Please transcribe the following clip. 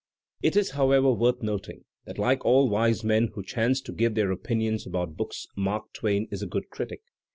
It is, however, worth noting that like all wise men who chance to give their opinions about books Mark Twain is a good critic.